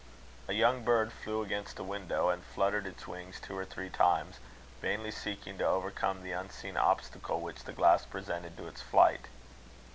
A young bird flew against the window, and fluttered its wings two or three times, vainly seeking to overcome the unseen obstacle which the glass presented to its flight.